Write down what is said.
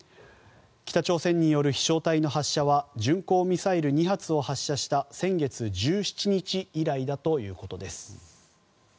北朝鮮による飛翔体の発射は巡航ミサイル２発を発射した先月１７日以来だということです。